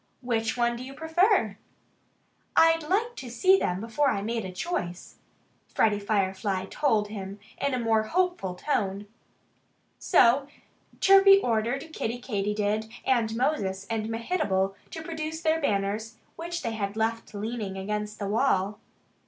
"Which one do you prefer?" "I'd have to see them before I made a choice," Freddie Firefly told him in a more hopeful tone. So Chirpy ordered Kiddie Katydid and Moses and Mehitable to produce their banners, which they had left leaning against the wall.